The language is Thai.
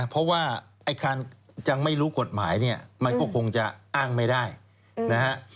เพราะว่าไอ้การยังไม่รู้กฎหมายเนี่ยมันก็คงจะอ้างไม่ได้นะฮะ